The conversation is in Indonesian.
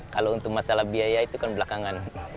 kalau untuk masalah biaya itu kan belakangan